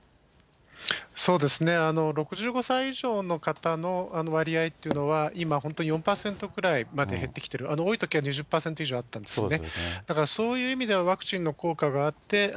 そうですね、６５歳以上の方の割合っていうのは今、本当に４％くらいまで減ってきている、多いときは２０％以上あったんですよね。